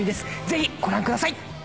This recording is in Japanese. ぜひご覧ください！